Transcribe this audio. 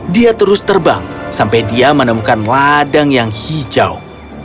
dia terus terbang sampai dia menemukan ladang yang hijau